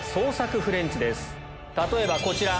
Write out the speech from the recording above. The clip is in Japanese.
例えばこちら！